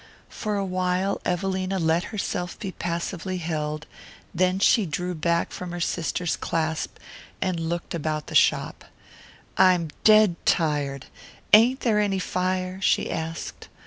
For a while Evelina let herself be passively held; then she drew back from her sister's clasp and looked about the shop. "I'm dead tired. Ain't there any fire?" she asked.